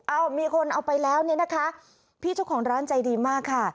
มีคนเอาไปแล้วเนี่ยนะคะพี่เจ้าของร้านใจดีมากค่ะ